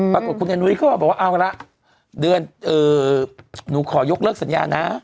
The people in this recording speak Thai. ปรากฏคุณแอนุ้ยเขาก็บอกว่าเอาละเดือนหนูขอยกเลิกสัญญานะ